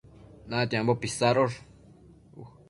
natiambo pisadosh